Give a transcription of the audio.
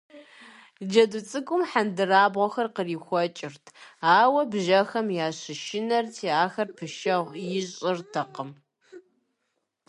Джэду цӏыкӏум хьэндырабгъуэхэр кърихуэкӀырт, ауэ бжьэхэм ящышынэрти, ахэр пэшэгъу ищӀыртэкъым.